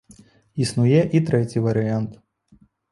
Існуе і трэці варыянт.